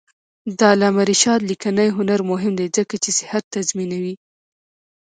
د علامه رشاد لیکنی هنر مهم دی ځکه چې صحت تضمینوي.